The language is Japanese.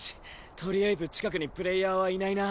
とりあえず近くにプレイヤーはいないな。